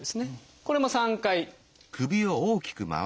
これも３回。